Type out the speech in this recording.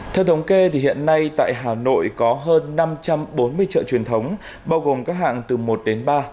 theo thống kê hiện nay tại hà nội có hơn năm trăm bốn mươi chợ truyền thống bao gồm các hạng từ một đến ba